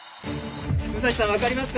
武蔵さん分かりますか？